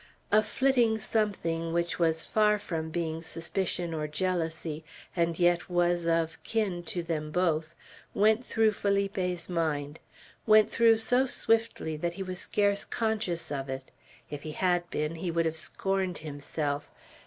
A flitting something which was far from being suspicion or jealousy, and yet was of kin to them both, went through Felipe's mind, went through so swiftly that he was scarce conscious of it; if he had been, he would have scorned himself.